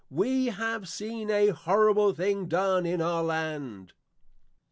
_We have seen an horrible thing done in our Land!